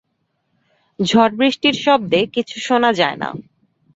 ঝড়-বৃষ্টির শব্দে আর কিছু শোনা যায় না।